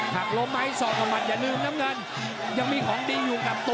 หักล้มไหมสอกกับหมัดอย่าลืมน้ำเงินยังมีของดีอยู่กับตัว